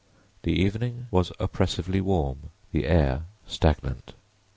The evening was oppressively warm, the air stagnant.